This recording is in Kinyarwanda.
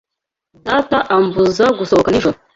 Data ambuza gusohoka nijoro.